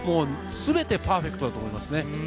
全てパーフェクトだと思います。